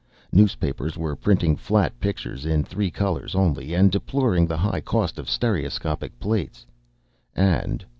Newspapers were printing flat pictures in three colors only, and deploring the high cost of stereoscopic plates. And